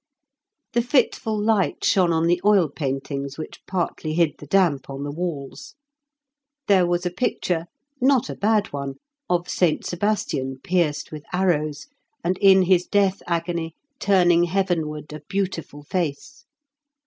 The fitful light shone on the oil paintings which partly hid the damp on the walls. There was a picture (not a bad one) of St. Sebastian pierced with arrows, and in his death agony turning heavenward a beautiful face.